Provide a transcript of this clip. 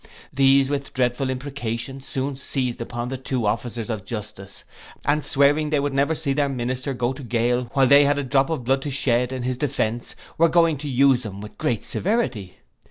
These, with dreadful imprecations, soon seized upon the two officers of justice, and swearing they would never see their minister go to gaol while they had a drop of blood to shed in his defence, were going to use them with great severity.